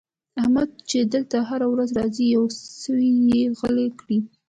احمد چې دلته هره ورځ راځي؛ يو سوی يې غلی کړی دی.